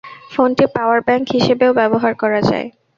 ফোনটি power bank হিসেবেও ব্যবহার করা যায়।